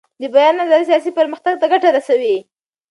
د بیان ازادي سیاسي پرمختګ ته ګټه رسوي